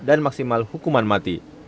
dan maksimal hukuman mati